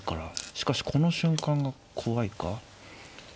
しかしこの瞬間が怖いか。